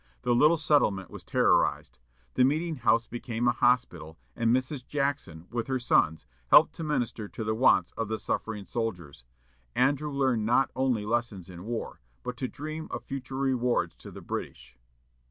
The little settlement was terrorized. The meeting house became a hospital, and Mrs. Jackson, with her sons, helped to minister to the wants of the suffering soldiers. Andrew learned not only lessons in war, but to dream of future rewards to the British.